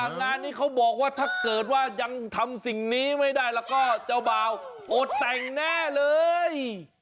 งานนี้เขาบอกว่าถ้าเกิดว่ายังทำสิ่งนี้ไม่ได้แล้วก็เจ้าบ่าวอดแต่งแน่เลย